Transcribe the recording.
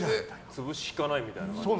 潰しきかないみたいな感じ。